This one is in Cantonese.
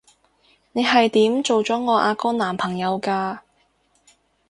你係點做咗我阿哥男朋友㗎？